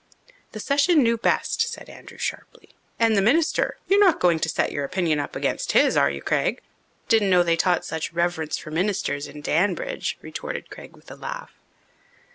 "The session knew best," said Andrew sharply. "And the minister you're not going to set your opinion up against his, are you, Craig?" "Didn't know they taught such reverence for ministers in Danbridge," retorted Craig with a laugh.